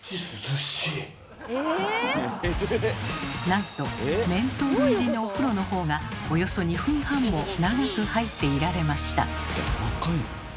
なんとメントール入りのお風呂のほうがおよそ２分半も長く入っていられました。